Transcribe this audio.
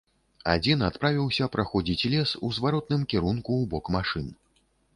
Адзін адправіўся праходзіць лес у зваротным кірунку ў бок машын.